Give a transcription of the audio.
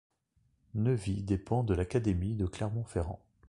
Neuvy dépend de l'académie de Clermont-Ferrand.